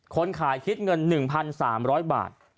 คนขายคิดเงิน๑๓๐๐บาท